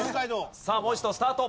さあもう一度スタート。